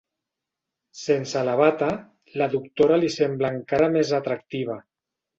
Sense la bata, la doctora li sembla encara més atractiva.